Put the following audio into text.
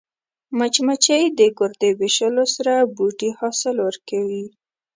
مچمچۍ د ګردې ویشلو سره بوټي حاصل ورکوي